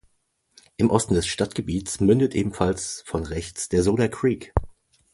Im Osten des Stadtgebietes mündet ebenfalls von rechts der Soda Creek.